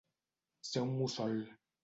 Ser un mussol.